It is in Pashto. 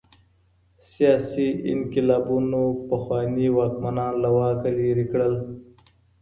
سياسي انقلابونو پخواني واکمنان له واکه ليري کړل.